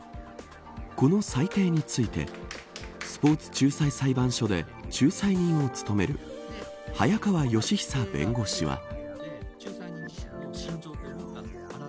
この裁定についてスポーツ仲裁裁判所で仲裁人を務める早川吉尚弁護士は。